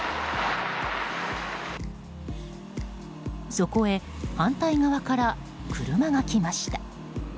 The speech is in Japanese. そこへ反対側から車が来ました。